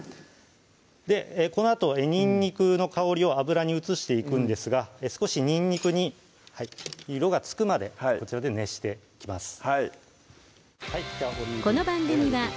このあとにんにくの香りを油に移していくんですが少しにんにくに色がつくまでこちらで熱していきます